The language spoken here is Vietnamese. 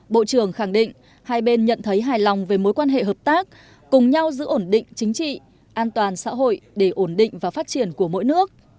bộ trưởng khẳng định hai bên nhận thấy hài lòng về mối quan hệ hợp tác cùng nhau giữ ổn định chính trị an toàn xã hội để ổn định và phát triển của mỗi nước